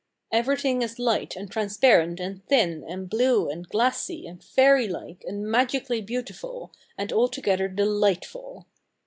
Everything is light, and transparent, and thin, and blue, and glassy, and fairy like, and magically beautiful, and altogether delightful!